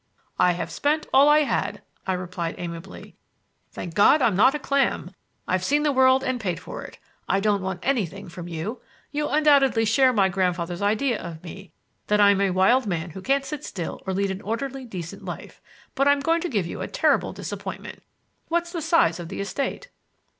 "I have spent all I had," I replied amiably. "Thank God I'm not a clam! I've seen the world and paid for it. I don't want anything from you. You undoubtedly share my grandfather's idea of me that I'm a wild man who can't sit still or lead an orderly, decent life; but I'm going to give you a terrible disappointment. What's the size of the estate?"